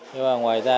nói chung là